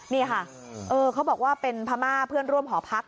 นี่ค่ะเขาบอกว่าเป็นพม่าเพื่อนร่วมหอพัก